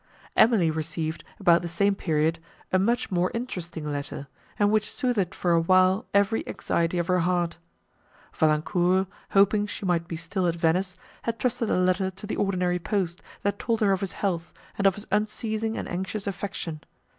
Emily received, about the same period, a much more interesting letter, and which soothed for a while every anxiety of her heart. Valancourt, hoping she might be still at Venice, had trusted a letter to the ordinary post, that told her of his health, and of his unceasing and anxious affection.